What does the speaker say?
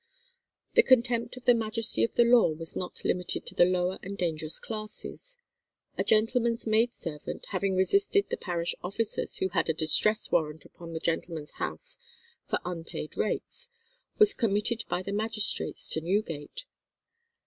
The contempt of the majesty of the law was not limited to the lower and dangerous classes. A gentleman's maid servant, having resisted the parish officers who had a distress warrant upon the gentleman's house for unpaid rates, was committed by the magistrates to Newgate.